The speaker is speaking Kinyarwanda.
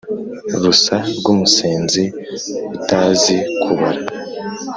Rusa rw' umusenzi utazi kubara ;